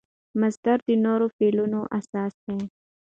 مصدر د نورو فعلونو اساس دئ.